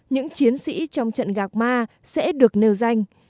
những chiến sĩ trong trận gạc ma sẽ được nêu danh